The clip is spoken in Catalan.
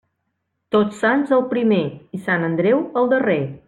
Tots Sants el primer i Sant Andreu el darrer.